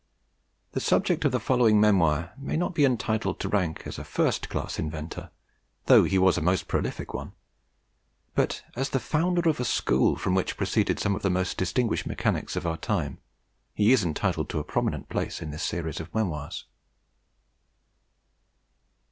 The subject of the following memoir may not be entitled to take rank as a first class inventor, though he was a most prolific one; but, as the founder of a school from which proceeded some of the most distinguished mechanics of our time, he is entitled to a prominent place in this series of memoirs.